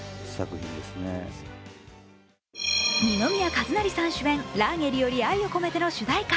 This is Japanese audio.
二宮和也さん主演「ラーゲリより愛を込めて」の主題歌。